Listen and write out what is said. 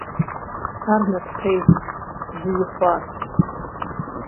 Ар нэщхъейщ, жьыи хъуащ.